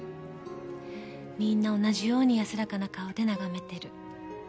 みんな同じように安らかな顔で眺めてる。